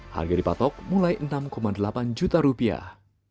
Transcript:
harga dipatok mulai enam delapan juta rupiah